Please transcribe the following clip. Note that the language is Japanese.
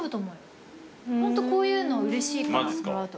ホントこういうのうれしいからもらうと。